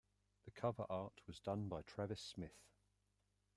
The cover art was done by Travis Smith.